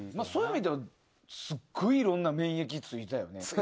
そういう意味ではすっごいいろんな免疫ついたよね。